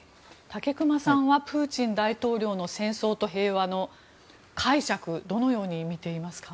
武隈さんはプーチン大統領の「戦争と平和」の解釈をどのように見ていますか？